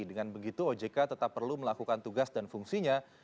dengan begitu ojk tetap perlu melakukan tugas dan fungsinya